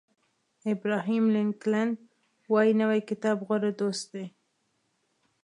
ابراهیم لینکلن وایي نوی کتاب غوره دوست دی.